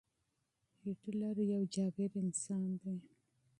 هېټلر يو ستر انسان دی.